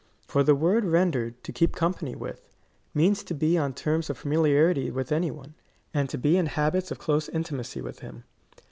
For the word rendered to keep company with, means to be on terms of familiarity with any one, and to be in habits of close in timacy with him.